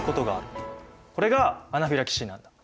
これがアナフィラキシーなんだ。